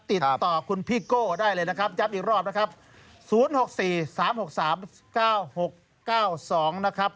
ติดต่อคุณพี่โก้ได้เลยนะครับย้ำอีกรอบนะครับ๐๖๔๓๖๓๙๖๙๒นะครับ